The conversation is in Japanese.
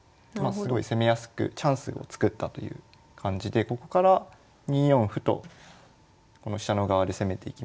すごい攻めやすくチャンスを作ったという感じでここから２四歩とこの飛車の側で攻めていきます。